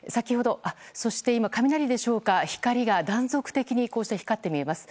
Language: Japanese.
そして今、雷でしょうか光が断続的に光って見えます。